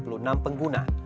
dengan dua puluh lima persen